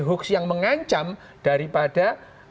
hoax yang mengancam daripada